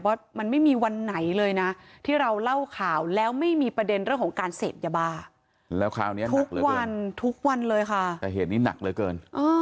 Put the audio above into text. ผมไม่น่าเชื่อนะเหตุการณ์นี้